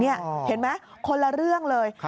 เห็นไหมคนละเรื่องเลย